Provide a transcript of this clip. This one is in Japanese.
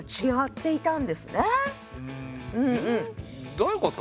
どういうこと？